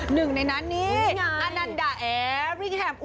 หนึ่งในนั้นนี่อนันดาแอริกแฮม